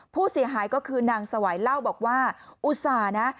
ผู้เสียหายก็คือนางสวัยเล่าบอกว่าอุตส่าห์นะ